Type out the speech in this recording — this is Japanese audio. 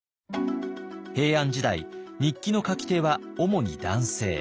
平安時代日記の書き手はおもに男性。